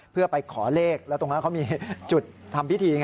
เพื่อไปขอเลขแล้วตรงนั้นเขามีจุดทำพิธีไง